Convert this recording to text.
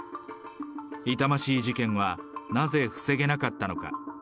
痛ましい事件はなぜ防げなかったのか。